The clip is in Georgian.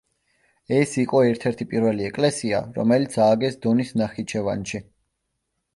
ეს იყო ერთ-ერთი პირველი ეკლესია, რომელიც ააგეს დონის ნახიჩევანში.